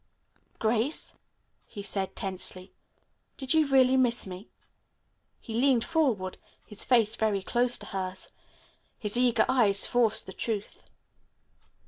"Grace," he said tensely, "did you really miss me?" He leaned forward, his face very close to hers. His eager eyes forced the truth.